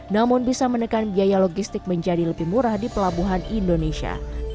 namun bisa menekan biaya logistik menjadi lebih murah di pelabuhan indonesia